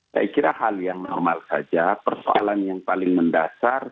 saya kira hal yang normal saja persoalan yang paling mendasar